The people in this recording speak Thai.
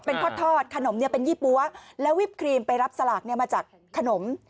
เป็นทอดขนมเนี่ยเป็นยี่ปั๊วแล้ววิปครีมไปรับสลากมาจากขนม